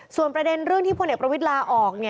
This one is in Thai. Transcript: ส่วนประเด็นเรื่องที่พลเอกประวิทย์ลาออก